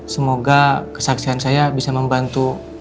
semoga kesaksian saya bisa membantu